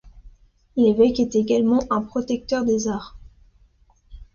L'évêque est également un protecteur des arts.